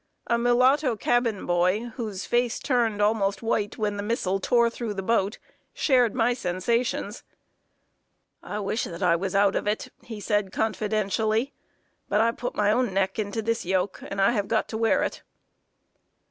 A mulatto cabin boy, whose face turned almost white when the missile tore through the boat, shared my sensations. "I wish that I was out of it," he said, confidentially; "but I put my own neck into this yoke, and I have got to wear it."